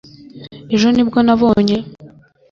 ejo ni bwo nabonye